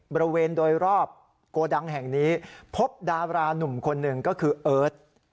บริเวณโดยรอบโกดังแห่งนี้พบดารานุ่มคนหนึ่งก็คือเอิร์ท